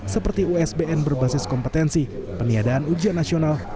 seperti usbn berbasis kompetensi peniadaan ujian nasional